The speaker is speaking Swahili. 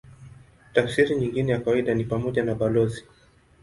Tafsiri nyingine ya kawaida ni pamoja na balozi.